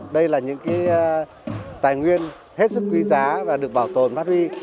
đây là những tài nguyên hết sức quý giá và được bảo tồn phát huy